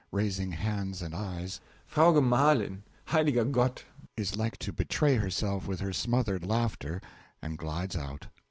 (Raising hands and eyes.) Frau Gemahlin heiliger Gott! (Is like to betray herself with her smothered laughter, and glides out.)